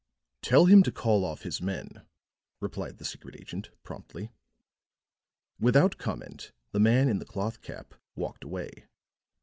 "Tell him to call off his men," replied the secret agent promptly. Without comment, the man in the cloth cap walked away.